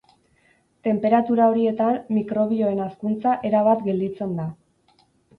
Tenperatura horietan mikrobioen hazkuntza erabat gelditzen da.